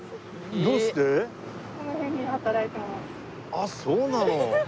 あっそうなの。